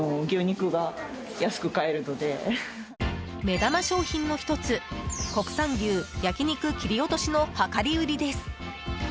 目玉商品の１つ国産牛焼き肉切り落としの量り売りです。